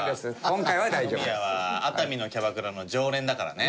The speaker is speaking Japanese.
小宮は熱海のキャバクラの常連だからね。